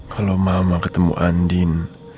kalau mama ketemu andin